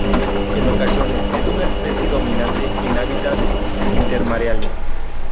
En ocasiones es una especie dominante en hábitats intermareales.